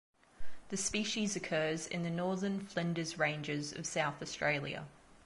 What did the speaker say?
The species occurs in the northern Flinders Ranges of South Australia.